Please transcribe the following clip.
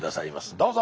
どうぞ！